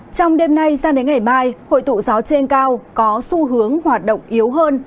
trong đêm nay sang đến ngày mai hội tụ gió trên cao có xu hướng hoạt động yếu hơn